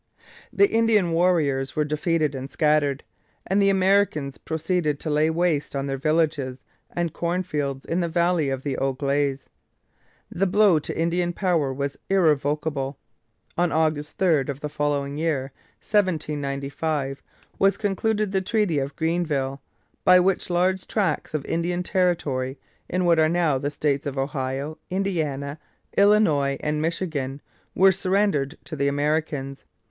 The Indian warriors were defeated and scattered, and the Americans proceeded to lay waste their villages and cornfields in the valley of the Au Glaize. The blow to Indian power was irrevocable. On August 3 of the following year, 1795, was concluded the Treaty of Greenville, by which large tracts of Indian territory in what are now the states of Ohio, Indiana, Illinois, and Michigan were surrendered to the Americans.